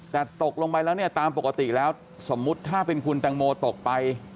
แต่ตกลงไปแล้วเนี่ยตามปกติแล้วสมมุติถ้าเป็นคุณแตงโมตกไป